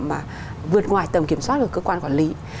mà vượt ngoài tầm kiểm soát của cơ quan quản lý